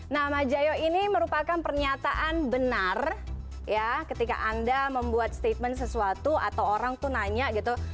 nah majayo ini merupakan pernyataan benar ya ketika anda membuat statement sesuatu atau orang tuh nanya gitu